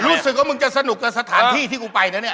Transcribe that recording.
รู้สึกว่ามึงจะสนุกกับสถานที่ที่กูไปนะเนี่ย